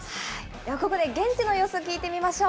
ではここで現地の様子、聞いてみましょう。